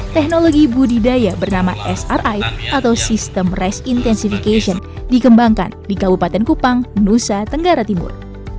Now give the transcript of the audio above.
teknologi budidaya bernama sri atau system rice intensification dikembangkan di kabupaten kupang nusa tenggara timur